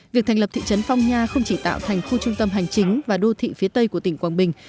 việc thành lập thị trấn phong nha không chỉ tạo thành khu trung tâm hành chính và đô thị phía tây của tỉnh quảng bình